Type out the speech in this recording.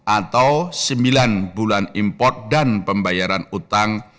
atau sembilan bulan import dan pembayaran utang